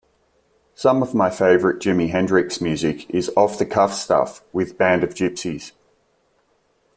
Some of my favourite Jimi Hendrix music is off-the-cuff stuff with Band of Gypsys.